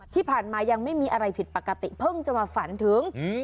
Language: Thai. ที่ผ่านมายังไม่มีอะไรผิดปกติเพิ่งจะมาฝันถึง